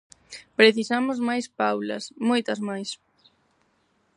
Precisamos máis Paulas, moitas máis.